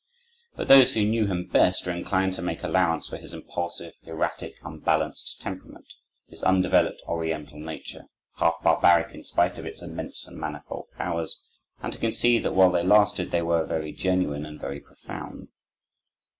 But those who knew him best are inclined to make allowance for his impulsive, erratic, unbalanced temperament, his undeveloped oriental nature, half barbaric in spite of its immense and manifold powers, and to concede that, while they lasted, they were very genuine and very profound.